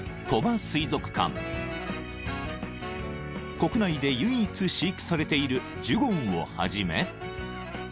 ［国内で唯一飼育されているジュゴンをはじめ］